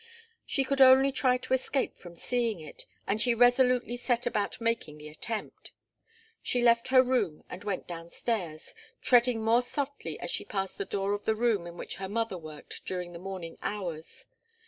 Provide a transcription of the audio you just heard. She could only try to escape from seeing it, and she resolutely set about making the attempt. She left her room and went downstairs, treading more softly as she passed the door of the room in which her mother worked during the morning hours.